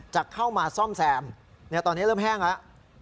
จะเข้ามาซ่อมแซมตอนนี้เริ่มแห้งแล้ว